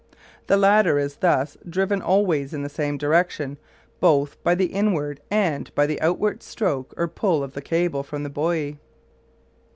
The latter is thus driven always in the same direction, both by the inward and by the outward stroke or pull of the cable from the buoy.